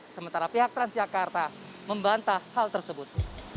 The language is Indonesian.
sementara pihak transjakarta membantah hal tersebut